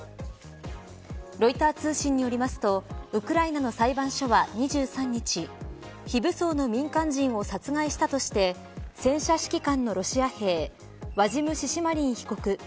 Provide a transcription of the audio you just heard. ロイター通信によりますとウクライナの裁判所は２３日非武装の民間人を殺害したとして戦車指揮官のロシア兵ワジム・シシマリン被告